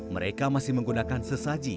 mereka masih menggunakan sesaji